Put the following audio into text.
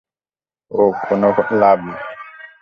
ওহ, কোনো লাভ নেই।